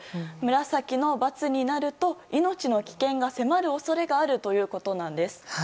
紫の×になると命の危険が迫る恐れがあるということです。